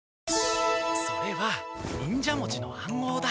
それは忍者文字の暗号だ。